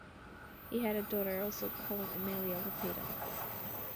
He had a daughter also called Aemilia Lepida.